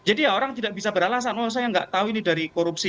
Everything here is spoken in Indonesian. jadi orang tidak bisa beralasan oh saya nggak tahu ini dari korupsi